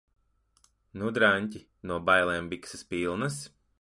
Nu, draņķi? No bailēm bikses pilnas?